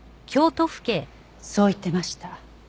そう言ってました。